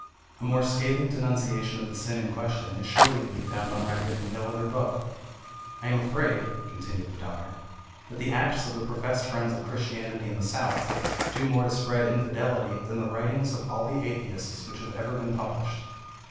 A more scathing denunciation of the sin in question is surely to be found on record in no other book. I am afraid," continued the daughter, "that the acts of the professed friends of Christianity in the South do more to spread infidelity than the writings of all the atheists which have ever been published.